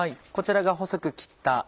こちらが細く切った。